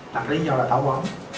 là lý do là táo bón